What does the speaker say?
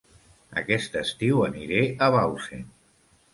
Aquest estiu aniré a Bausen